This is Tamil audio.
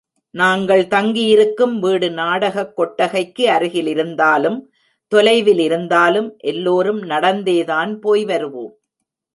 நாங்கள் தங்கியிருக்கும் வீடு நாடகக் கொட்டகைக்கு அருகிலிருந்தாலும் தொலைவிலிருந்தாலும் எல்லோரும் நடந்தே தான் போய் வருவோம்.